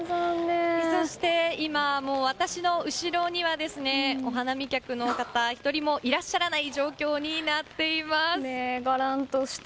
そして今、私の後ろにはお花見客の方１人もいらっしゃらない状況にがらんとして。